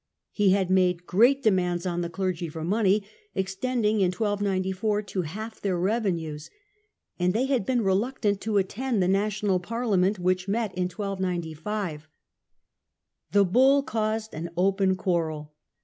He had made great demands on the clergy for money, extending in 1294 to half their revenues. And they had been reluctant to attend the national parliament which met in 1295. The Bull caused an open quarrel.